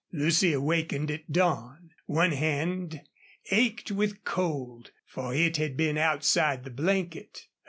Lucy awakened at dawn. One hand ached with cold, for it had been outside the blanket.